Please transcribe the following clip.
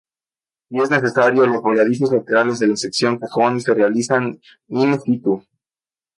Si es necesario, los voladizos laterales de la sección cajón se realizan in situ.